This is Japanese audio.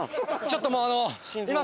ちょっともうあの。